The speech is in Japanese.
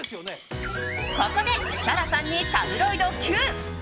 ここで設楽さんにタブロイドＱ！